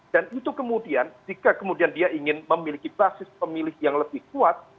itu kemudian jika kemudian dia ingin memiliki basis pemilih yang lebih kuat